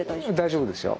大丈夫ですよ。